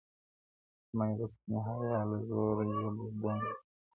زما یې د کوچۍ حیا له زوره ژبه ګونګه کړه-